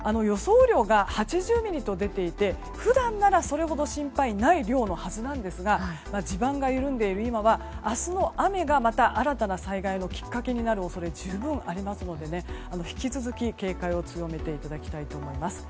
雨量が８０ミリと出ていて普段ならそれほど心配ない量のはずなんですが地盤が緩んでいる今は明日の雨がまた新たな災害のきっかけになる恐れが十分ありますので引き続き警戒を強めていただきたいと思います。